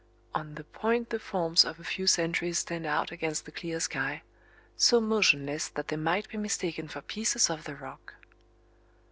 On the point the forms of a few sentries stand out against the clear sky, so motionless that they might be mistaken for pieces of the rock.